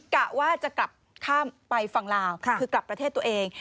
กะว่าจะกลับข้ามไปฝั่งลาวคือกลับประเทศตัวเอง